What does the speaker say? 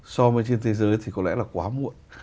so với trên thế giới thì có lẽ là quá muộn